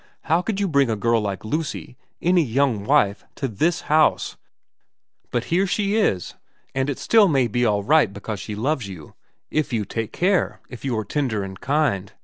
How could you bring a girl like Lucy any young wife to this house ? But here she is, and it still may be all right because she loves you so, if you take care, if you are tender and kind.